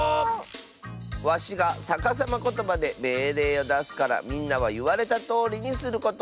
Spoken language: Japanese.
わしがさかさまことばでめいれいをだすからみんなはいわれたとおりにすること！